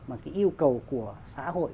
mà cái yêu cầu của xã hội